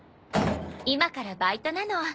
今からバイトなの。